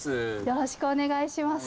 よろしくお願いします。